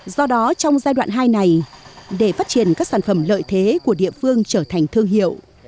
do đó trong giai đoạn hai này để phát triển các sản phẩm lợi thế của địa phương trở thành thương hiệu